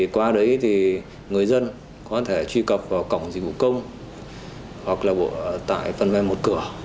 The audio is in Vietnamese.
qua đấy người dân có thể truy cập vào cổng dịch vụ công hoặc tại phần mềm một cửa